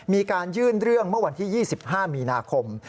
มีการยื่นเรื่องเมื่อวันที่๒๕มีนาคม